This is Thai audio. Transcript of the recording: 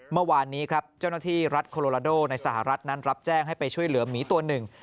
เมื่อวานนี้ครับเจ้าหน้าที่รัฐโคโลลาโดในสหรัฐนั้นรับแจ้งให้ไปช่วยเหลือหมีตัวหนึ่ง